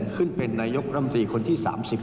ขึ้นเป็นนายกรัมตรีคนที่๓๕